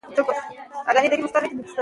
اوښ چی ګډیږي خپل څښتن شرموي .